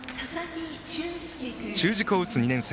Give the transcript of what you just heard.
中軸を打つ２年生